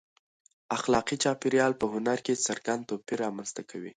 اخلاقي چاپېریال په هنر کې څرګند توپیر رامنځته کوي.